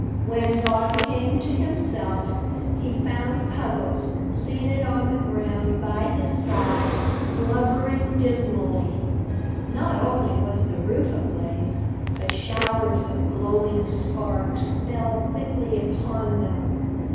When Don came to himself he found Puggles seated on the ground by his side, blubbering dismally. Not only was the roof ablaze, but showers of glowing sparks fell thickly upon them.